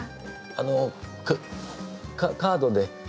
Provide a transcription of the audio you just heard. あのカカードで。